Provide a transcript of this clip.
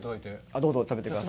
どうぞ食べてください。